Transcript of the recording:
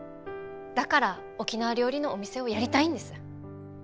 だから沖縄料理のお店をやりたいんです。